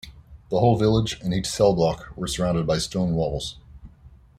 The whole village and each cell block were surrounded by stone walls.